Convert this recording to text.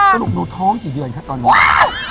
ก็หลบโน้ท้องกี่เดือนคะตอนนี้